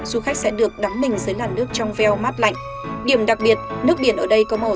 du khách sẽ được đắm mình dưới làn nước trong veo mát lạnh điểm đặc biệt nước biển ở đây có màu